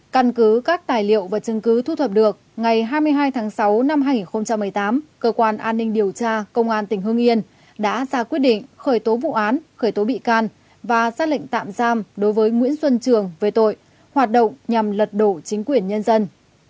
căn cứ các tài liệu và chứng cứ thu thập được ngày hai mươi hai tháng sáu năm hai nghìn một mươi tám cơ quan an ninh điều tra công an tỉnh hương yên đã ra quyết định khởi tố vụ án khởi tố bị can và xác lệnh tạm giam đối với nguyễn xuân trường về tội hoạt động nhằm lật đổ chính quyền nhân dân